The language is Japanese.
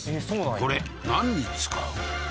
これ何に使う？